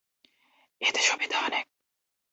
এতে সুবিধা অনেক।